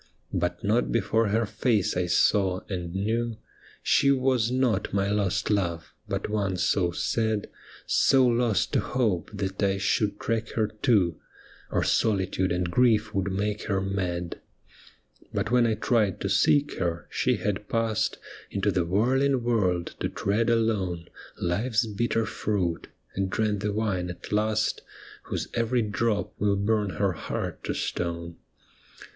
But not before her face I saw, and knew She was not my lost love, but one so sad, So lost to hope, that I should track her too, Or solitude and grief would make her mad. But when I tried to seek her, she had passed Into the whirling world, to tread alone Life's bitter fruit, and drain the wine at last 'THE ME WITHIN THEE BLIND!' 109 Whose every drop will burn her heart to stone.